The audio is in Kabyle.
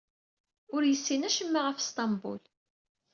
Ur yessin acemma ɣef Sṭembul.